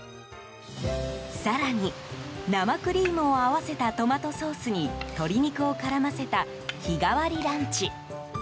更に、生クリームを合わせたトマトソースに鶏肉を絡ませた日替わりランチ。